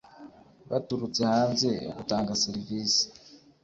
Baturutse hanze b utanga serivisi